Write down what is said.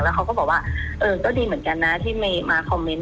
เขาก็บอกว่าเออก็ดีเหมือนกันนะที่มาคอมเมนต์